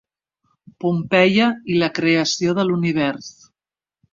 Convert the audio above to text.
Pompeia i la creació de l'univers.